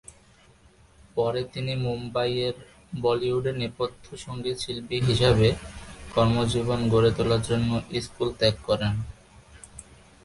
পরে তিনি মুম্বাইয়ের বলিউডে নেপথ্য সঙ্গীতশিল্পী হিসাবে কর্মজীবন গড়ে তোলার জন্য স্কুল ত্যাগ করেন।